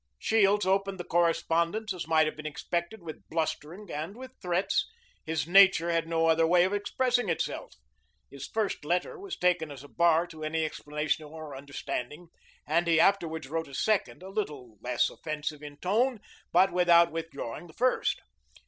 Shields opened the correspondence, as might have been expected, with blustering and with threats; his nature had no other way of expressing itself. His first letter was taken as a bar to any explanation or understanding, and he afterwards wrote a second, a little less offensive in tone, but without withdrawing the first.